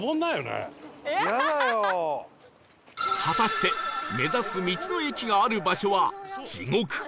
果たして目指す道の駅がある場所は地獄か？